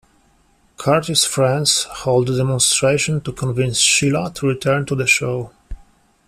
Curtis' friends hold a demonstration to convince Sheila to return to the show.